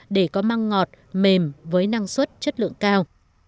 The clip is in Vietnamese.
để có măng ngọt mềm với năng suất chất lượng cao